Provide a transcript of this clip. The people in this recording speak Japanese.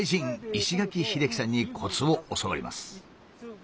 石垣英基さんにコツを教わります。